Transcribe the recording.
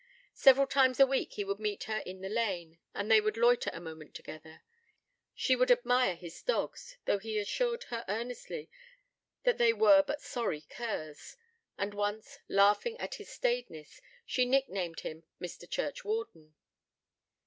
Several times a week he would meet her in the lane, and they would loiter a moment together; she would admire his dogs, though he assured her earnestly that they were but sorry curs; and once, laughing at his staidness, she nick named him 'Mr. Churchwarden'.